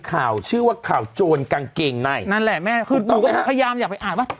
ข่าวชื่อว่าข่าวโจรกางเกงในนั่นแหละแม่คือหนูก็พยายามอยากไปอ่านว่า